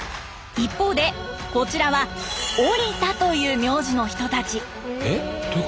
一方でこちらはオリタという名字の人たち。